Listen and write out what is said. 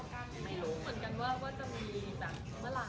แต่ว่าวันนั้นก็ถือว่าโชคมีที่มีแบบคนทักที่กับเรา